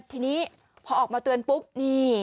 กินให้ดูเลยค่ะว่ามันปลอดภัย